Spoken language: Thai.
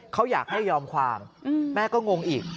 เขาอยากให้ยอมความแม่ก็งงอีก